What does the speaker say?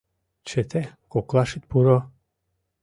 Чыте, коклаш ит пуро!